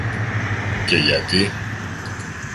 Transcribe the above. Και γιατί;